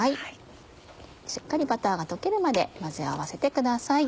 しっかりバターが溶けるまで混ぜ合わせてください。